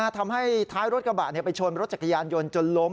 ท้ายรถกระบะไปชนรถจักรยานยนต์จนล้ม